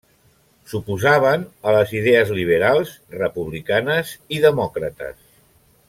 S'oposaven a les idees liberals, republicanes i demòcrates.